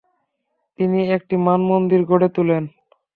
তিনি একটি মানমন্দির গড়ে তোলেন।